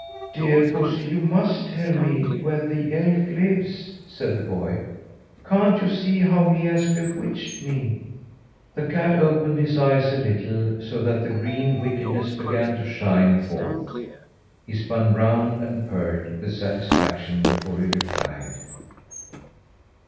"Dear pussy, you must tell me where the elf lives!" said the boy. "Can't you see how he has bewitched me?" The cat opened his eyes a little, so that the green wickedness began to shine forth. He spun round and purred with satisfaction before he replied.